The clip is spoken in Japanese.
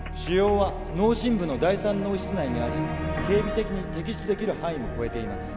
腫瘍は脳深部の第三脳室内にあり経鼻的に摘出出来る範囲も超えています。